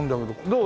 どう？